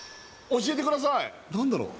教えてください何だろう